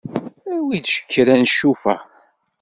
Awi-d kra n ccufa.